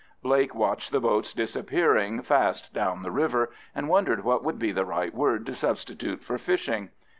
Blake watched the boats disappearing fast down the river, and wondered what would be the right word to substitute for fishing.